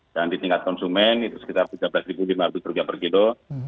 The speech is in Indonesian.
di tingkat konsumen itu sekitar rp tiga belas lima ratus per kilo